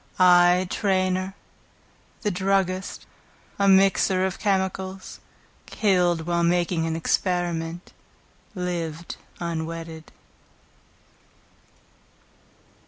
I Trainor, the druggist, a miser of chemicals, Killed while making an experiment, Lived unwedded.